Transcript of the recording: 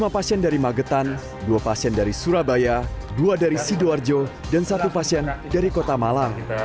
lima pasien dari magetan dua pasien dari surabaya dua dari sidoarjo dan satu pasien dari kota malang